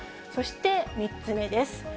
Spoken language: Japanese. そして、３つ目です。